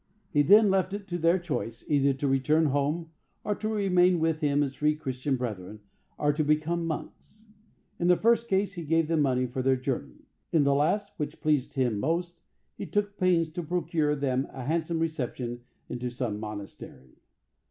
He then left it to their choice, either to return home, or to remain with him as free Christian brethren, or to become monks. In the first case, he gave them money for their journey; in the last, which pleased him most, he took pains to procure them a handsome reception into some monastery."